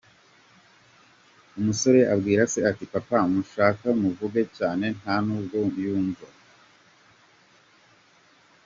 Umusore abwira se ati:"papa nushaka uvuge cyane nta nubwo yumva ".